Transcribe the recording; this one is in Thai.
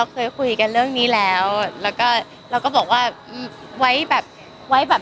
แต่ฉันยังว่าอันนี้ถ้าเกิดว่าเขาจะสักอย่างอื่น